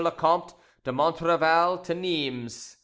le Comte de Montrevel to Nimes.